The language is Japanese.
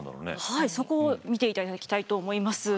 はいそこを見ていただきたいと思います。